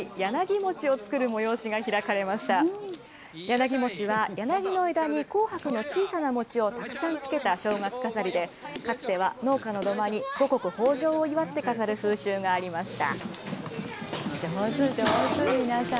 柳もちは、柳の枝に紅白の小さな餅をたくさんつけた正月飾りで、かつては農家の土間に五穀豊じょうを祝って飾る風習がありました。